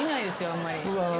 あんまり。